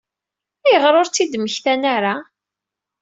Ayɣer ur tt-id-mmektan ara?